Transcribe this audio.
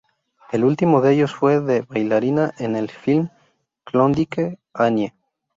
El último de ellos fue de bailarina en el film "Klondike Annie".